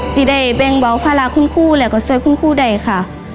สิทธิ์ได้เป็นเบาะภาระคุณคู่และเกษตรคุณคู่ได้ค่ะ